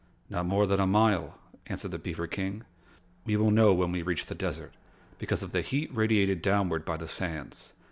"Not more than a mile," answered the beaver King. "We will know when we reach the Desert, because of the heat radiated downward by the sands.